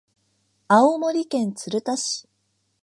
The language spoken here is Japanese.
青森県鶴田町